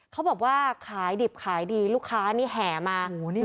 เขาบอกว่าขายดิบขายดีลูกค้านี่แห่มา